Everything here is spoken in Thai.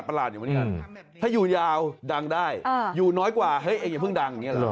มันประหลาดอยู่ด้วยกัน